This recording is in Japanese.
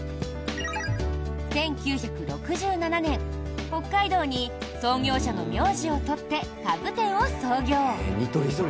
１９６７年、北海道に創業者の名字を取って家具店を創業。